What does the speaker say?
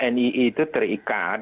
nii itu terikat